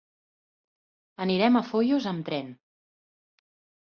Anirem a Foios amb tren.